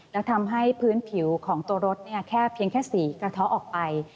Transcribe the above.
แล้วทำให้พื้นผิวของตัวรถแค่เพียงแค่สีกระท้อออกไป